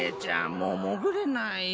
もうもぐれない。